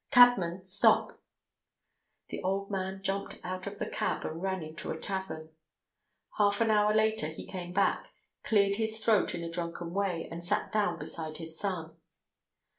Cabman, stop!" The old man jumped out of the cab and ran into a tavern. Half an hour later he came back, cleared his throat in a drunken way, and sat down beside his son.